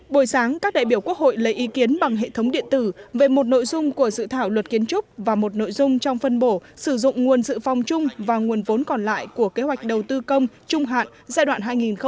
buổi sáng các đại biểu quốc hội lấy ý kiến bằng hệ thống điện tử về một nội dung của dự thảo luật kiến trúc và một nội dung trong phân bổ sử dụng nguồn dự phòng chung và nguồn vốn còn lại của kế hoạch đầu tư công trung hạn giai đoạn hai nghìn một mươi sáu hai nghìn hai mươi